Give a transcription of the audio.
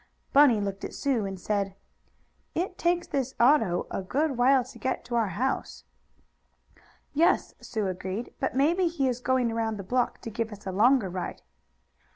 Bunny looked at Sue and said: "It takes this auto a good while to get to our house." "Yes," Sue agreed, "but maybe he is going around the block to give us a longer ride."